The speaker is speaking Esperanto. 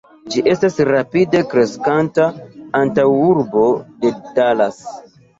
Ĝi estas rapide kreskanta antaŭurbo de Dallas.